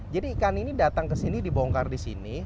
ikan ini datang ke sini dibongkar di sini